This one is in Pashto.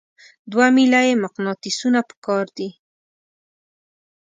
دوه میله یي مقناطیسونه پکار دي.